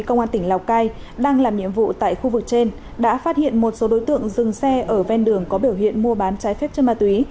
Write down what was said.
công an tỉnh lào cai đang làm nhiệm vụ tại khu vực trên đã phát hiện một số đối tượng dừng xe ở ven đường có biểu hiện mua bán trái phép chân ma túy